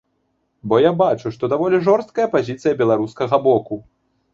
Бо я бачу, што даволі жорсткая пазіцыя беларускага боку.